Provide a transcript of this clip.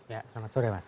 ya selamat sore mas